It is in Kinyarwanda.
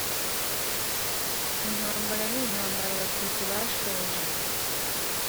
intambara ni intambara abatutsi bashoje,